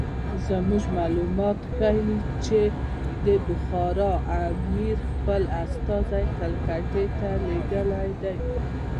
زموږ معلومات ښیي چې د بخارا امیر خپل استازي کلکتې ته لېږلي دي.